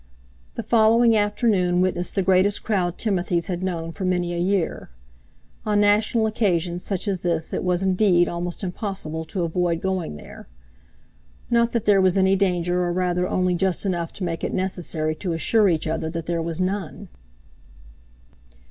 The following afternoon witnessed the greatest crowd Timothy's had known for many a year. On national occasions, such as this, it was, indeed, almost impossible to avoid going there. Not that there was any danger or rather only just enough to make it necessary to assure each other that there was none.